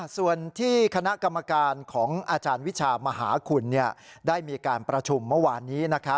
ส่วนที่คณะกรรมการของอาจารย์วิชามหาคุณได้มีการประชุมเมื่อวานนี้